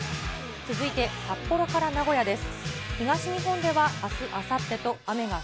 続いて札幌から名古屋です。